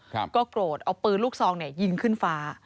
เขาก็โกรธเอาปืนลูกซองยิงขึ้นฟ้า